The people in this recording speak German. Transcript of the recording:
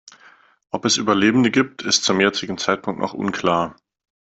Ob es Überlebende gibt, ist zum jetzigen Zeitpunkt noch unklar.